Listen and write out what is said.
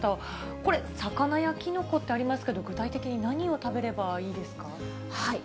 これ、魚やキノコってありますけど、具体的に何を食べればいいですか？